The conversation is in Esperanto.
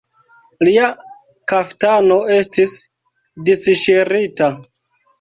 Lia kaftano estis disŝirita.